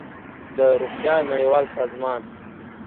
د روغتیا نړیوال سازمان